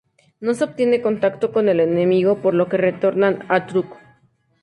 No se obtiene contacto con el enemigo, por lo que retornan a Truk.